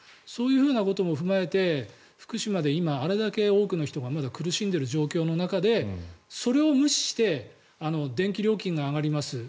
そういうことも踏まえて福島で今、あれだけ多くの人がまだ苦しんでいる状況の中でそれを無視して電気料金が上がります